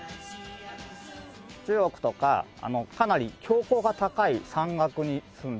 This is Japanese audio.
中国とかかなり標高が高い山岳に住んでる。